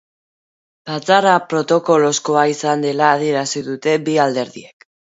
Batzarra protokolozkoa izan dela adierazi dute bi alderdiek.